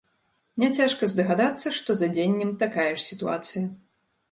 Няцяжка здагадацца, што з адзеннем такая ж сітуацыя.